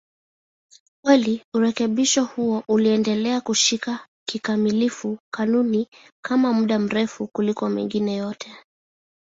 Kweli urekebisho huo uliendelea kushika kikamilifu kanuni kwa muda mrefu kuliko mengine yote.